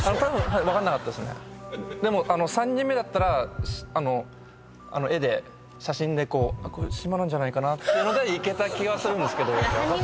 でも３人目だったらあの絵で写真でこれ島なんじゃないかなというのでいけた気はするんですけどヤバかったです。